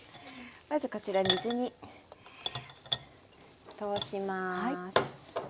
まずこちら水に通します。